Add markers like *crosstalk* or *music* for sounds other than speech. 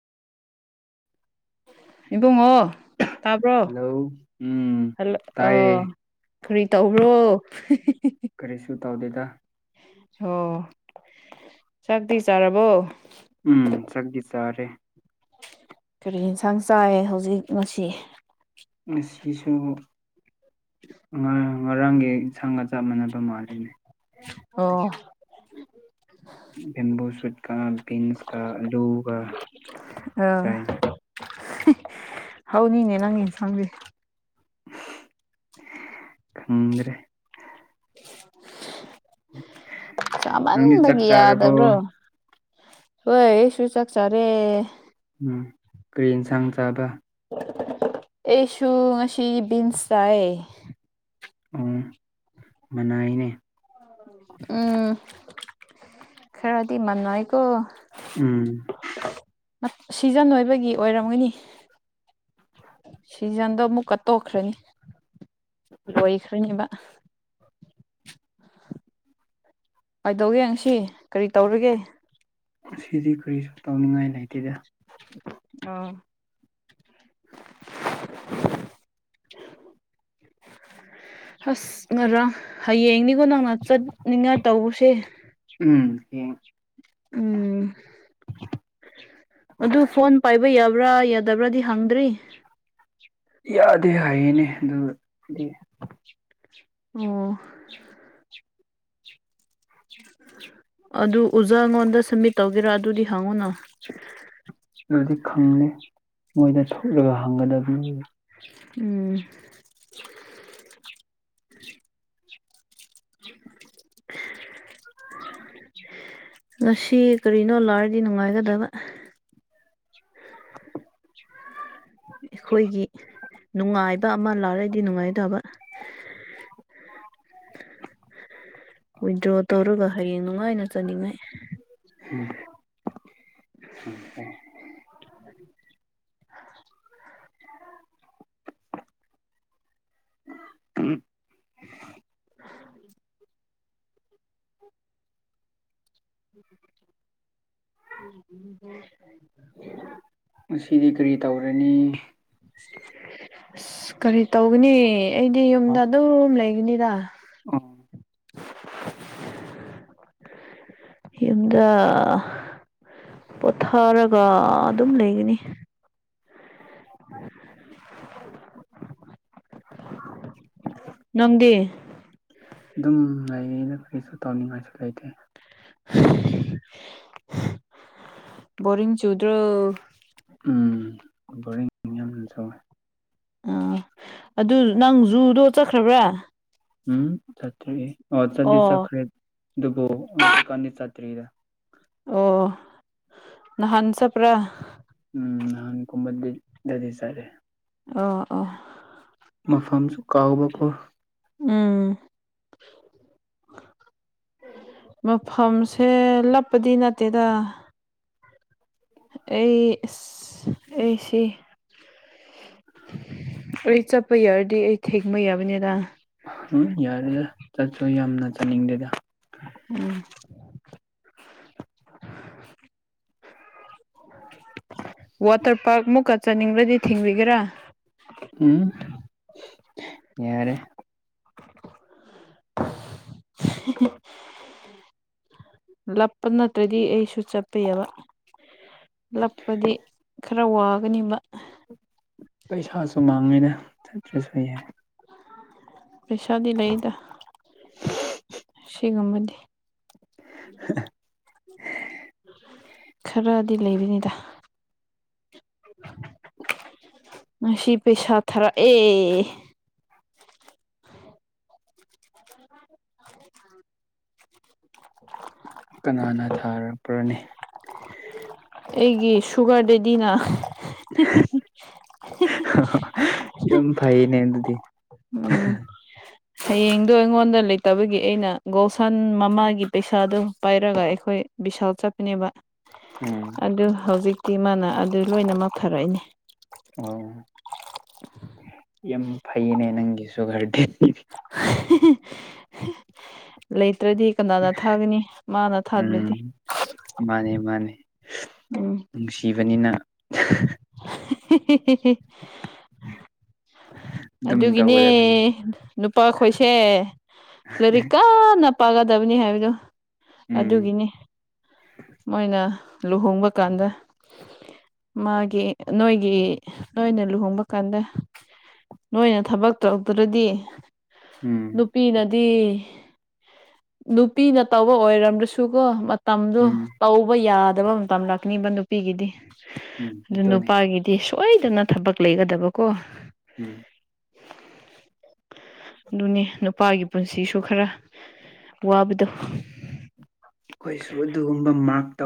ꯏꯕꯨꯡꯉꯣ ꯇꯥꯕ꯭ꯔꯣ ꯍꯜꯂꯣ ꯎꯝ ꯍꯜꯂ ꯑ ꯇꯥꯏꯌꯦ ꯀꯔꯤ ꯇꯧꯕ꯭ꯔꯣ ꯀꯔꯤꯁꯨ ꯇꯧꯗꯦꯗ ꯑꯣ ꯆꯥꯛꯇꯤ ꯆꯥꯔꯕꯣ ꯎꯝ ꯆꯛꯇꯤ ꯆꯥꯔꯦ ꯀꯔꯤ ꯏꯟꯁꯥꯡ ꯆꯥꯏꯌꯦ ꯍꯧꯖꯤꯛ ꯉꯁꯤ ꯑꯁꯤꯁꯨ ꯉꯔꯥꯡ ꯉꯔꯥꯡꯒꯤ ꯁꯪꯒ ꯆꯞ ꯃꯥꯟꯅꯕ ꯃꯥꯜꯂꯤꯅꯦ ꯑꯣ ꯚꯦꯝꯕꯨ ꯁꯨꯠꯀ ꯕꯤꯟꯁꯀ ꯂꯨꯒ ꯑ ꯆꯥꯏ ꯍꯥꯎꯅꯤꯅꯦ ꯅꯪꯉ ꯏꯟꯁꯪꯗꯤ ꯈꯪꯗ꯭ꯔꯦ ꯅꯪꯗꯤ ꯆꯥꯛ ꯆꯥꯃꯟꯕꯒꯤ ꯆꯥꯔꯕꯣ ꯌꯥꯗꯕ꯭ꯔꯣ ꯍꯣꯏ ꯑꯩꯁꯨ ꯆꯥꯛꯆꯥ ꯔꯦ ꯎꯝ ꯀꯔꯤ ꯌꯦꯟꯁꯥꯡ ꯆꯥꯕ ꯑꯦꯁꯨ ꯉꯁꯤ ꯕꯤꯟꯁ ꯆꯥꯏ ꯑꯣ ꯃꯅꯥꯏꯅꯦ ꯎꯝ ꯈꯔꯗꯤ ꯃꯥꯟꯅꯥꯏꯀꯣ ꯎꯝ ꯁꯤꯖꯟ ꯑꯣꯏꯕꯒꯤ ꯑꯣꯏꯔꯝꯒꯅꯤ ꯁꯤꯖꯟꯗꯣ ꯑꯃꯨꯛꯀ ꯇꯣꯛꯈ꯭ꯔꯅꯤ ꯂꯣꯏꯈꯔꯤ ꯑꯦꯕ ꯀꯥꯏꯗꯧꯒꯦ ꯉꯁꯤ ꯀꯔꯤ ꯇꯧꯔꯒꯦ ꯑꯁꯤꯗꯤ ꯀꯔꯤꯁꯨ ꯇꯧꯅꯤꯡꯉꯥꯏ ꯂꯩꯇꯦꯗ ꯑꯥ ꯍꯁ ꯉ ꯍꯌꯦ ꯌꯦꯡꯅꯤ ꯅꯪ ꯅꯪꯅ ꯆꯠꯅꯤꯡꯉꯥꯏ ꯇꯧꯕꯁꯦ ꯍ ꯎꯝ ꯑꯗꯨ ꯐꯣꯟ ꯄꯥꯏꯕ ꯌꯥꯕ꯭ꯔꯥ ꯌꯥꯗꯕ꯭ꯔꯥꯗꯤ ꯍꯪꯗ꯭ꯔꯤ ꯌꯥꯗꯦ ꯍꯥꯏꯌꯦꯅꯦ ꯑꯗꯨꯗꯤ ꯑꯣ ꯑꯗꯨ ꯎꯖꯥ ꯑꯩꯉꯣꯟꯗ ꯁꯝꯃꯤꯠ ꯇꯧꯒꯦꯔꯥ ꯑꯗꯨꯗꯤ ꯍꯪꯉꯨꯅ ꯑꯗꯨꯗꯤ ꯈꯪꯗꯦ ꯃꯣꯏꯗ ꯊꯣꯛꯂꯒ ꯍꯪꯒꯗꯕꯅꯤ ꯎꯝ *inaudible* ꯉꯁꯤ ꯀꯔꯤꯅꯣ ꯂꯔꯗꯤ ꯅꯨꯡꯉꯥꯏꯒꯗꯕ *inaudible* ꯑꯩꯈꯣꯏꯒꯤ ꯅꯨꯡꯉꯥꯏꯕ ꯑꯃ ꯂꯥꯛꯔꯗꯤ ꯅꯨꯡꯉꯥꯏꯇꯕ *unintelligible* ꯋꯤꯗ꯭ꯔꯣ ꯇꯧꯔꯒ ꯍꯌꯦꯡ ꯅꯨꯡꯉꯥꯏꯅ ꯆꯥꯅꯤꯡꯉꯥꯏ ꯎꯝ ꯈꯪꯗꯦ *inaudible* *inaudible* ꯎꯝ *inaudible* ꯎ ꯁꯤꯗꯤ ꯀꯔꯤ ꯇꯧꯔꯅꯤ ꯑꯁ ꯀꯔꯤ ꯇꯧꯒꯅꯤ ꯑꯩꯗꯤ ꯌꯨꯝꯗ ꯑꯗꯨꯝ ꯂꯩꯒꯅꯤꯗ ꯎ ꯌꯨꯝꯗ ꯄꯣꯊꯥꯔꯒ ꯑꯗꯨꯝ ꯂꯩꯒꯅꯤ *inaudible* ꯅꯪꯒꯦ ꯉꯥꯏ ꯑꯩꯅ ꯀꯔꯤꯁꯨ ꯇꯧꯅꯤꯡꯉꯥꯏꯁꯨ ꯂꯩꯇꯦ ꯔꯤꯡ ꯆꯧꯗ꯭ꯔ ꯎꯝ ꯕꯣꯔꯤꯡ ꯌꯥꯝꯅ ꯁꯧꯋꯦ ꯑꯥ ꯑꯗꯨ ꯅꯪ ꯖꯨꯗꯣ ꯆꯠꯈ꯭ꯔꯕ꯭ꯔꯥ ꯎꯝ ꯆꯇꯔꯤ ꯑꯣ ꯆꯗꯤ ꯆꯈꯔꯦꯗ ꯗꯨꯕꯣ ꯎ ꯁꯣ ꯀꯅꯤ ꯆꯇ꯭ꯔꯤꯗ ꯑꯣ ꯅ ꯍꯟꯁꯄ꯭ꯔꯥ ꯎꯝ ꯅꯥꯟ ꯀꯃꯗ ꯂꯤ ꯗꯗꯤ ꯁꯔꯦ ꯑ ꯑ ꯃꯐꯝꯁꯨ ꯀꯥꯎꯕꯀꯣ ꯎꯝ ꯃꯐꯝꯁꯦ ꯂꯞꯄꯗꯤ ꯅꯠꯇꯦꯗ ꯑꯦ ꯑꯦ ꯁꯤ ꯑꯩ ꯆꯠꯄ ꯌꯥꯔꯗꯤ ꯑꯩ ꯊꯦꯡꯕ ꯌꯥꯕꯅꯤꯗ ꯎꯝ ꯌꯥꯔꯦꯗ ꯆꯠꯁꯨ ꯌꯥꯝꯅ ꯆꯠꯅꯤꯡꯗꯦꯗ ꯎꯝ ꯋꯥꯇꯔ ꯄꯥꯔꯛ ꯃꯨꯛꯀ ꯆꯥꯅꯤꯡꯕ꯭ꯔꯗꯤ ꯊꯤꯡꯕꯤꯒꯦꯔꯥ ꯎꯝ ꯌꯥꯔꯦ ꯍꯦ ꯍꯦ ꯂꯞꯄ ꯅꯠꯇ꯭ꯔꯗꯤ ꯑꯩꯁꯨ ꯆꯠꯄ ꯌꯕ ꯂꯛꯄꯗꯤ ꯈꯔ ꯋꯥꯒꯅꯤꯕ ꯄꯩꯁꯥꯁꯨ ꯃꯥꯡꯉꯤꯅ ꯆꯠꯇ꯭ꯔꯁꯨ ꯌꯥꯏ ꯄꯩꯁꯥꯗꯤ ꯂꯩꯗ ꯁꯤꯒꯨꯝꯕꯗꯤ *inaudible* ꯈꯔꯗꯤ ꯂꯩꯕꯅꯤꯗ ꯉꯁꯤ ꯄꯦꯁꯥ ꯊꯔꯥꯛ ꯑꯦ *unintelligible* *inaudible* ꯀꯅꯥꯅ ꯊꯥꯔꯛꯄ꯭ꯔꯅꯤ ꯑꯩꯒꯤ ꯁꯨꯒꯔꯗꯦꯗꯤꯅ ꯌꯥꯝ ꯐꯥꯏꯌꯦꯅꯦ ꯑꯗꯨꯗꯤ ꯎꯝ ꯍꯌꯦꯡꯗꯣ ꯑꯩꯉꯣꯟ ꯗ ꯂꯩꯇꯕꯒꯤ ꯑꯩꯅ ꯒꯣꯜꯁꯟ ꯃꯃꯥꯒꯤ ꯄꯩꯁꯥꯗꯨ ꯄꯥꯏꯔꯒ ꯑꯩꯈꯣꯏ ꯕꯤꯁꯥꯜ ꯆꯠꯄꯅꯦꯕ ꯎꯝ ꯑꯗꯨ ꯍꯧꯖꯤꯛꯇꯤ ꯃꯥꯅ ꯑꯗꯨ ꯂꯣꯏꯅꯃꯛ ꯊꯔꯛꯏꯅꯦ ꯑꯣ ꯐꯩꯅꯦ ꯅꯪꯒꯤꯁꯨꯨꯒꯔꯗꯦꯗꯤ ꯂꯩ ꯇ꯭ꯔꯗꯤ ꯀꯅꯥꯅ ꯊꯥꯒꯅꯤ ꯃꯥꯅ ꯎꯝ ꯊꯥꯗ꯭ꯔꯗꯤ ꯃꯥꯅꯦ ꯃꯥꯅꯦ ꯎꯝ ꯅꯨꯡꯁꯤꯕꯅꯤꯅ ꯍꯦ ꯍꯦ ꯍꯦ ꯍꯦ ꯑꯗꯨꯝ ꯑꯗꯨꯒꯤꯅꯦ ꯇꯧꯒꯗꯕꯅꯤ ꯅꯨꯄꯥꯈꯣꯏꯁꯦ ꯂꯥꯏꯔꯤꯛ ꯀꯟꯅ ꯄꯥꯒꯗꯕꯅꯤ ꯍꯥꯏꯕꯗꯣ ꯎꯝ ꯑꯗꯨꯒꯤꯅꯤ ꯃꯣꯏꯅ ꯂꯨꯍꯣꯡꯕ ꯀꯥꯟꯗ ꯃꯥꯒꯤ ꯅꯣꯏꯒꯤ ꯅꯣꯏꯅ ꯂꯨꯍꯣꯡꯕ ꯀꯥꯟꯗ ꯅꯣꯏꯅ ꯊꯕꯛ ꯇꯩꯗꯔꯥꯗꯤ ꯎꯝ ꯅꯨꯄꯤꯅꯗꯤ ꯅꯨꯄꯤꯅ ꯇꯧꯕ ꯑꯣꯏꯔꯝꯗ꯭ꯔꯁꯨꯀꯣ ꯃꯇꯝꯗꯣ ꯎꯝ ꯇꯧꯕ ꯌꯥꯠ ꯗꯕ ꯃꯇꯝ ꯂꯥꯛꯀꯅꯤꯕ ꯅꯨꯄꯤꯒꯤꯗꯤ ꯎꯝ ꯑꯗꯨ ꯑꯗꯨꯅꯤ ꯅꯨꯄꯥꯒꯤꯗꯤ ꯁꯣꯏꯗꯅ ꯊꯕꯛ ꯂꯩꯒꯗꯕꯀꯣ ꯎꯝ ꯑꯗꯨꯅꯦ ꯅꯨꯄꯥꯒꯤ ꯄꯨꯟꯁꯤꯁꯨ ꯈꯔ ꯋꯥꯕꯗꯨ ꯈꯣꯏꯁꯨ ꯑꯗꯨꯒꯨꯝꯕ ꯃꯥꯛ ꯇꯧ